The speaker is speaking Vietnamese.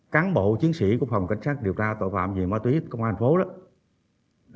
cán bộ chiến sĩ của phòng cảnh sát điều tra tội phạm về ma túy công an tp hcm